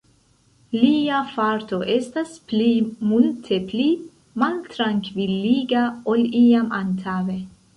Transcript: Lia farto estas pli, multe pli maltrankviliga, ol iam antaŭe.